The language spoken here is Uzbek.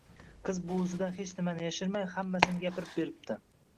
Qiz buvisidan hech nimani yashirmay, hammasini gapirib beribdi